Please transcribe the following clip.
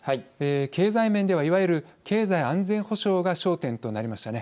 経済面ではいわゆる経済安全保障が焦点となりまたね。